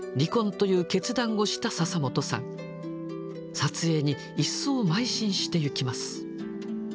撮影に一層まい進していきます。